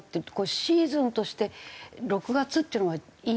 シーズンとして６月っていうのがいいんですか？